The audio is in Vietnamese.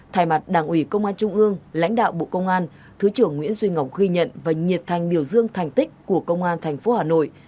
thay mặt đảng ủy công an trung ương lãnh đạo bộ công an thứ trưởng nguyễn duy ngọc ghi nhận và nhiệt thành biểu dương thành tích của công an tp hà nội